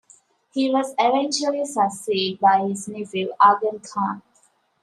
He was eventually succeeded by his nephew Arghun Khan.